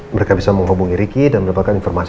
mereka bisa menghubungi riki dan mendapatkan informasi